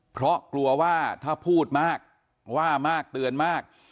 เพราะกลัวว่าถ้าพูดมากว่ามากเตือนมาก